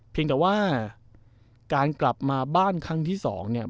เพียงแต่ว่าการกลับมาบ้านครั้งที่สองเนี่ย